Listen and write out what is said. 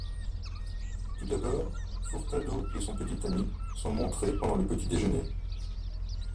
Tout d'abord, Furtado et son petit ami sont montrés pendant le petit déjeuner.